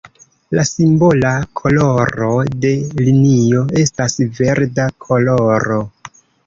La simbola koloro de linio estas verda koloro.